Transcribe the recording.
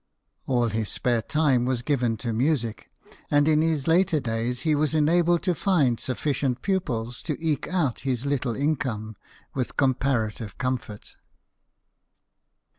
All his spare time was given to music, and in his later days he was enabled to find sufficient pupils to eke out his little income with comparative comfort.